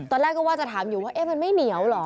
ตอนแรกก็ว่าจะถามอยู่ว่ามันไม่เหนียวเหรอ